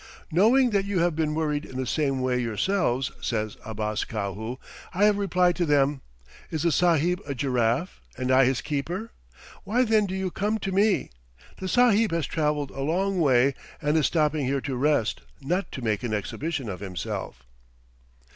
"Knowing that you have been worried in the same way yourselves," says Abbas Kahu, "I have replied to them, 'Is the Sahib a giraffe and I his keeper? Why, then, do you come to me? The Sahib has travelled a long way, and is stopping here to rest, not to make an exhibition of himself."